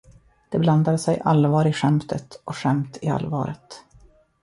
Det blandar sig allvar i skämtet och skämt i allvaret.